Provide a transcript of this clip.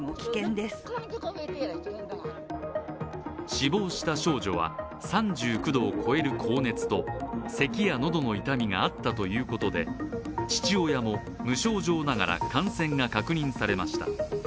死亡した少女は３９度を超える高熱とせきや喉の痛みがあったということで父親も無症状ながら感染が確認されました。